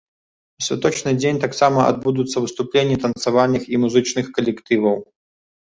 У святочны дзень таксама адбудуцца выступленні танцавальных і музычных калектываў.